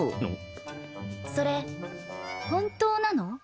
それ本当なの？